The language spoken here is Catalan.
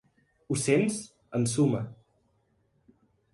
Ho sents? –ensuma–.